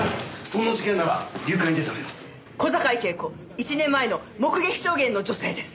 １年前の目撃証言の女性です。